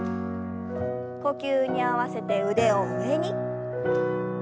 呼吸に合わせて腕を上に。